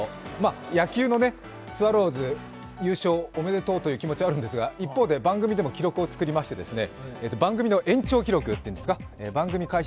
野球のスワローズ優勝おめでとうという気持ちはあるんですが一方で番組でも記録を作りまして、番組の延長記録というんですか番組開始